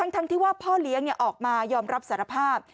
ทั้งที่ว่าพ่อเลี้ยงออกมายอมรับสารภาพ